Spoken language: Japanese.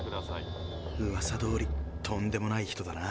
うわさどおりとんでもない人だな。